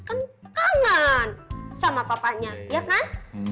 kan kangen sama papanya ya kan